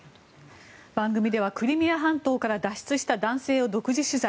番組ではクリミア半島から脱出した男性を独自取材。